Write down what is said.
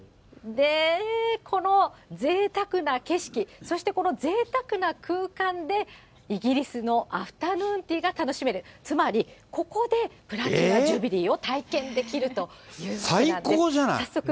このぜいたくな景色、そしてこのぜいたくな空間で、イギリスのアフタヌーンティーが楽しめる、つまり、ここでプラチナ・ジュビリーを体験できるということなんです。